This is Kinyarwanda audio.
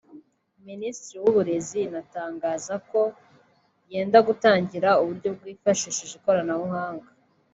Minisiteri y’uburezi inatangaza ko yenda gutangiza uburyo bwifashishije ikoranabuhanga